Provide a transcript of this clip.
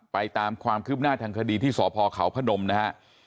ไปตามความคืบหน้าทางคดีที่สคพนมนะครับ